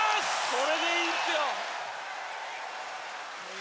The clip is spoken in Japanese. これでいいですよ。